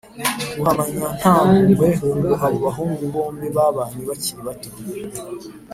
ruhamanya na ntampuhwe ngo abo bahungu bombi babanye bakiri bato